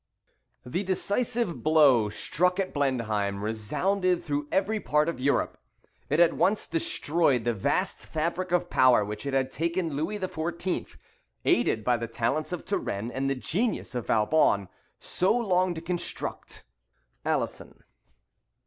"The decisive blow struck at Blenheim resounded through every part of Europe: it at once destroyed the vast fabric of power which it had taken Louis XIV., aided by the talents of Turenne, and the genius of Vauban, so long to construct." ALISON.